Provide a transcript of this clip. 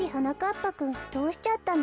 ぱくんどうしちゃったの？